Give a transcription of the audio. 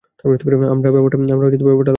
আমরা ব্যাপারটা লক্ষ্য করলাম।